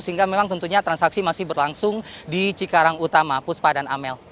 sehingga memang tentunya transaksi masih berlangsung di cikarang utama puspa dan amel